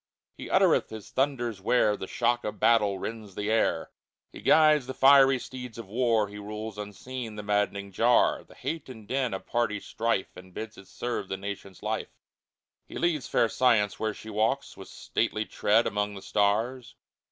He uttereth His thunders where The shock of battle rends the air ; He guides the fiery steeds of War ; He rules unseen the maddening jar, The hate and din of party strife. And bids it serve the nation's life ; He leads fair Science, where she walks With stately tread among the stars.